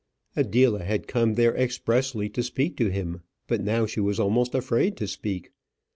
Adela had come there expressly to speak to him, but now she was almost afraid to speak.